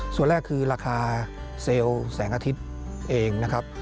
ส่วนแรกคือราคาเซลล์แสงอาทิตย์เองนะครับ